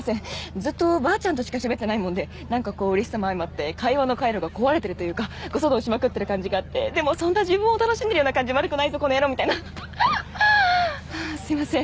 ずっとばあちゃんとしかしゃべってないもんでなんかこううれしさも相まって会話の回路が壊れてるというか誤作動しまくってる感じがあってでもそんな自分を楽しんでるような感じも悪くないぞこの野郎みたいなはっはーすいません